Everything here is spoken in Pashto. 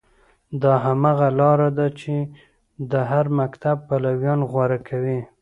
دا هماغه لاره ده چې د هر مکتب پلویان غوره کوي.